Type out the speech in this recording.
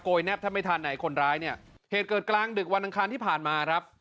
แนบแทบไม่ทันไหนคนร้ายเนี่ยเหตุเกิดกลางดึกวันอังคารที่ผ่านมาครับ